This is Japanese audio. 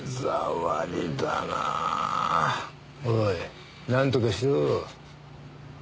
おいなんとかしろ。